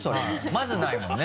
まずないもんね